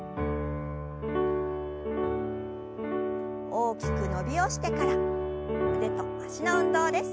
大きく伸びをしてから腕と脚の運動です。